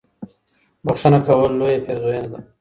بښنه کول لويه پېرزوينه ده.